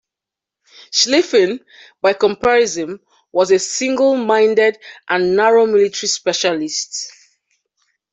Schlieffen, by comparison, was a single-minded and narrow military specialist.